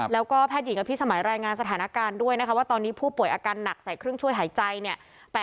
แล้วก็แพทย์หญิงอภิสมัยรายงานสถานการณ์ด้วยนะคะว่าตอนนี้ผู้ป่วยอาการหนักใส่เครื่องช่วยหายใจเนี่ย